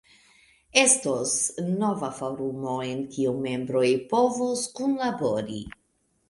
Estos nova forumo, en kiu membroj povos kunlabori.